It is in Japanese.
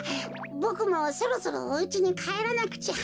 ボクもそろそろおうちにかえらなくちゃ。